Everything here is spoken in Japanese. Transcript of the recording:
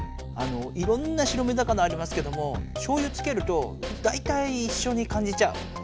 いろんな白身魚ありますけどもしょうゆつけるとだいたいいっしょに感じちゃう。